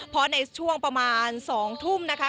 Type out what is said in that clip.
เพราะในช่วงประมาณ๒ทุ่มนะคะ